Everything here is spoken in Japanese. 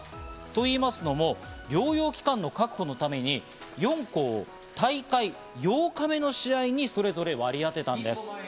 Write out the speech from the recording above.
といいますのも、療養期間の確保のために４校を大会８日目の試合にそれぞれ割り当てたんです。